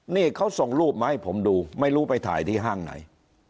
นี่เขาส่งรูปมาให้ผมดูไม่รู้ไปถ่ายที่ห้างไหน